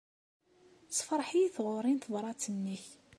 Tessefṛeḥ-iyi tɣuri n tebṛat-nnek.